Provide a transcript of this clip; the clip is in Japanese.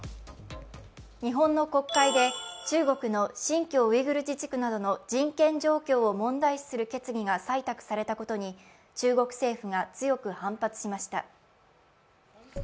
日本の国会で中国の新疆ウイグル自治区などの人権状況を問題視する決議が採択されたことに中国政府が強く反発しました。